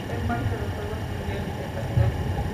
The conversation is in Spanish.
Fue parte de los juegos mundiales de patinaje.